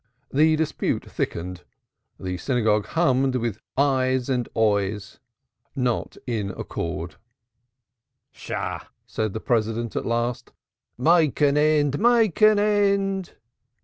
The dispute thickened; the synagogue hummed with "Eis" and "Ois" not in concord. "Shah!" said the President at last. "Make an end, make an end!"